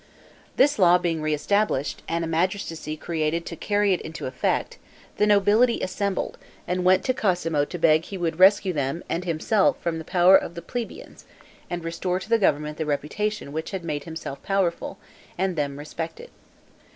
This law being re established, and a magistracy created to carry it into effect, the nobility assembled, and went to Cosmo to beg he would rescue them and himself from the power of the plebeians, and restore to the government the reputation which had made himself powerful and them respected.